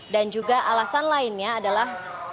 dan juga alasan lainnya adalah